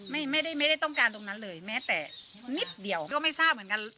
ไม่ได้ไม่ได้ต้องการตรงนั้นเลยแม้แต่นิดเดียวก็ไม่ทราบเหมือนกัน